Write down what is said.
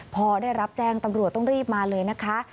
พอได้รับแจ้งตำรวจต้องรีบมาเลยนะคะ